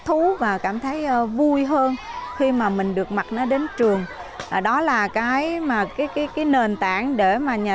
thú và cảm thấy vui hơn khi mà mình được mặc nó đến trường đó là cái mà cái nền tảng để mà nhà